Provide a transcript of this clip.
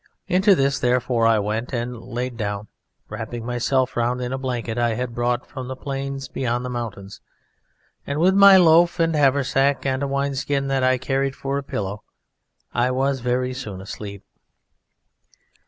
Into this, therefore, I went and laid down, wrapping myself round in a blanket I had brought from the plains beyond the mountains, and, with my loaf and haversack and a wine skin that I carried for a pillow, I was very soon asleep.